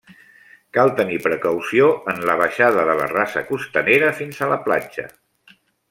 Cal tenir precaució en la baixada de la rasa costanera fins a la platja.